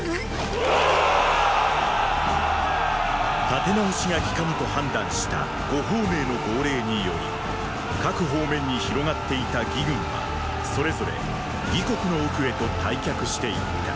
立て直しがきかぬと判断した呉鳳明の号令により各方面に広がっていた魏軍はそれぞれ魏国の奥へと退却していった。